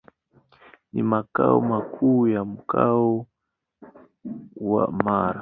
Ni makao makuu ya Mkoa wa Mara.